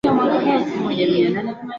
na serikali yake kutangaza kujiuzulu